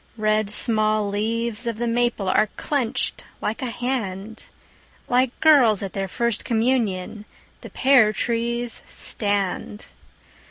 Red small leaves of the maple Are clenched like a hand, Like girls at their first communion The pear trees stand.